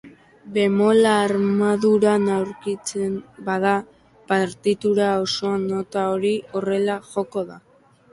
Bemola armaduran aurkitzen bada, partitura osoan nota hori horrela joko da.